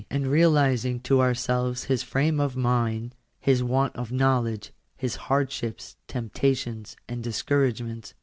229 and realizing to ourselves his frame of mind, his want of knowled ge, ^ jglfr«»'dghipg; foiy rptations, and discou ragements.